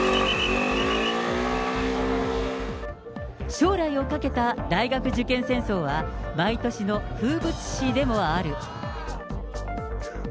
将来をかけた大学受験戦争は、毎年の風物詩でもある。